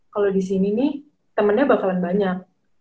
kalau disini nih temennya bakalan banyak